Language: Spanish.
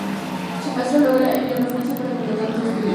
Su maestro logra enviarlo a Francia para completar los estudios.